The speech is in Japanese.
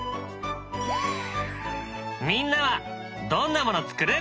みんなはどんなもの作る？